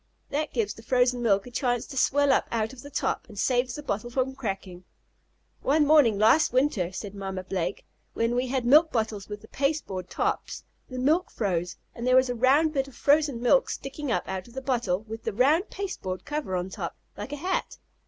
That gives the frozen milk a chance to swell up out of the top, and saves the bottle from cracking." "One morning last winter," said Mamma Blake, "when we had milk bottles with the pasteboard tops, the milk froze and there was a round bit of frozen milk sticking up out of the bottle, with the round pasteboard cover on top, like a hat."